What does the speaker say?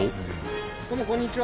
どうもこんにちは。